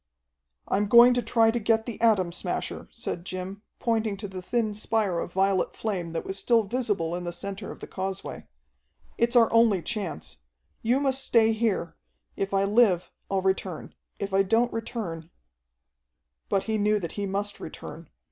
"I'm going to try to get the Atom Smasher," said Jim, pointing to the thin spire of violet flame that was still visible in the center of the causeway. "It's our only chance. You must stay here. If I live, I'll return. If I don't return " But he knew that he must return.